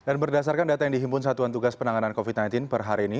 dan berdasarkan data yang dihimpun satuan tugas penanganan covid sembilan belas per hari ini